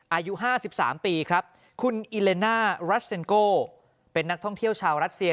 อายุ๕๓ปีครับคุณอิเลน่ารัสเซ็นโกเป็นนักท่องเที่ยวชาวรัสเซีย